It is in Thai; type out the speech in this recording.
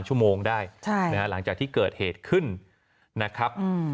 อืมค่ะ